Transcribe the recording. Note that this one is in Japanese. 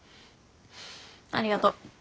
ありがとう。